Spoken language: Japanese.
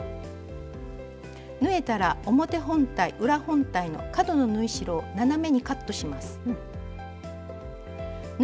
縫えたら表本体裏本体の角の縫い代を斜めにカットします。